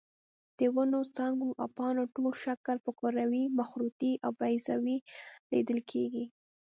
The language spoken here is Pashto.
د ونو څانګو او پاڼو ټول شکل په کروي، مخروطي او بیضوي لیدل کېږي.